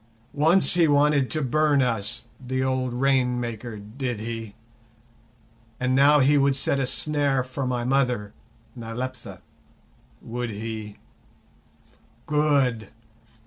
Once he wanted to burn us, the old 'rain maker', did he? And now he would set a snare for my mother [Nyleptha], would he? Good!